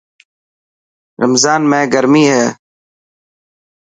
رمضان ۾ گرمي هي.